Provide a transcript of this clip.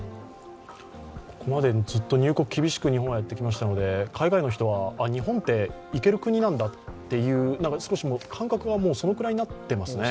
ここまでずっと入国ずっと厳しく日本はやってきましたので、海外の人は日本って行ける国なんだという少し感覚がそのくらいになってますね。